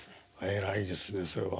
偉いですねそれは。